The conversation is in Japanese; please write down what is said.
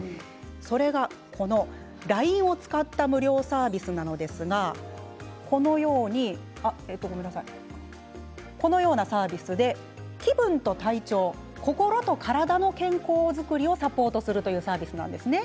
それがＬＩＮＥを使った無料サービスなんですが気分と体調心と体の健康作りをサポートするというサービスなんです。